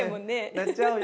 なっちゃうよ